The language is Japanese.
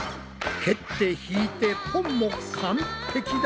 「蹴って引いてポン」も完璧だ！